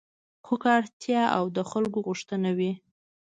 خو که اړتیا او د خلکو غوښتنه وي